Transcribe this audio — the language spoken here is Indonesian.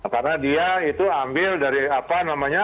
karena dia itu ambil dari apa namanya